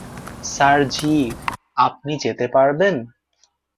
Sir ji, আপনি যেতে পারবেন?